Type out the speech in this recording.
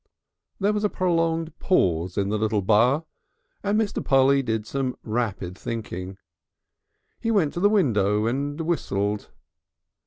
There was a prolonged pause in the little bar, and Mr. Polly did some rapid thinking. He went to the window and whistled.